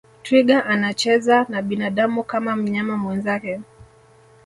twiga anacheza na binadamu kama mnyama mwenzake